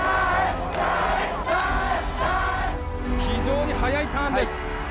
非常に速いターンです。